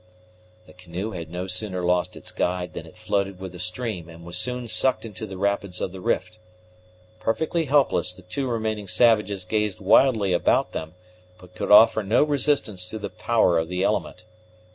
The canoe had no sooner lost its guide than it floated with the stream, and was soon sucked into the rapids of the rift. Perfectly helpless, the two remaining savages gazed wildly about them, but could offer no resistance to the power of the element.